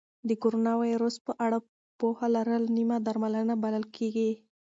د کرونا ویروس په اړه پوهه لرل نیمه درملنه بلل کېږي.